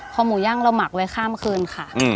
พอหมูย่างเราหมักไว้ข้ามคืนค่ะ